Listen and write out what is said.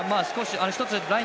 １つライン